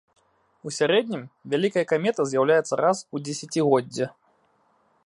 У сярэднім, вялікая камета з'яўляецца раз у дзесяцігоддзе.